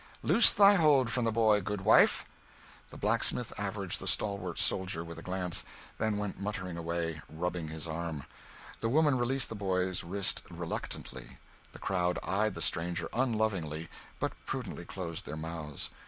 Loose thy hold from the boy, goodwife." The blacksmith averaged the stalwart soldier with a glance, then went muttering away, rubbing his arm; the woman released the boy's wrist reluctantly; the crowd eyed the stranger unlovingly, but prudently closed their mouths.